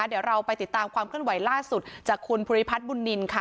เดี๋ยวเราไปติดตามความเคลื่อนไหวล่าสุดจากคุณภูริพัฒน์บุญนินค่ะ